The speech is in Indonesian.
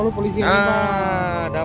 ternyata ini sudah